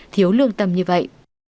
thiếu lương tâm như vậy